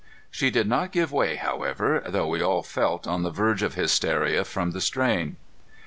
She did not give way, however, though we all felt on the verge of hysteria from the strain.